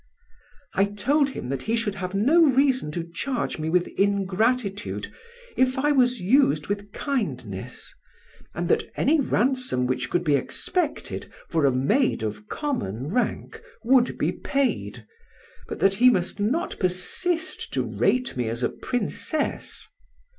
I told him that he should have no reason to charge me with ingratitude if I was used with kindness, and that any ransom which could be expected for a maid of common rank would be paid, but that he must not persist to rate me as a princess.